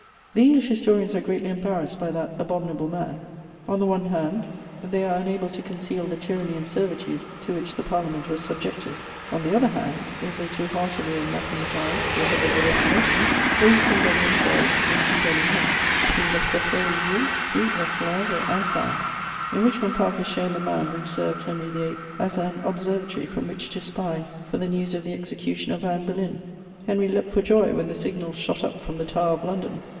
The English historians are greatly embarrassed by that abominable man: on the one hand, they are unable to conceal the tyranny and servitude to which the Parliament was subjected; on the other hand, if they too heartily anathematized the Head of the Reformation, they would condemn themselves in condemning him: Plus l'oppresseur est vil, plus l'esclave est infâme. In Richmond Park is shown the mound which served Henry VIII. as an observatory from which to spy for the news of the execution of Anne Boleyn. Henry leapt for joy when the signal shot up from the Tower of London.